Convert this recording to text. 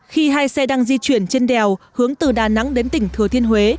khi hai xe đang di chuyển trên đèo hướng từ đà nẵng đến tỉnh thừa thiên huế